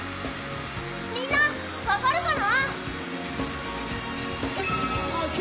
みんな、分かるかな？